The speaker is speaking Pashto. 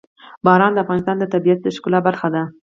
باران د افغانستان د طبیعت د ښکلا برخه ده.